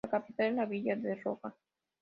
La capital es la villa de Loja.